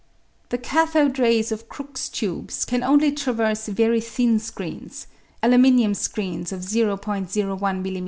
The cathode rays of Crookes tubes can only traverse very thin screens (aluminium screens of o oi m.m.